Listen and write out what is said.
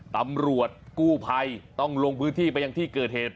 ตำรวจกู้ภัยต้องลงพื้นที่ไปยังที่เกิดเหตุ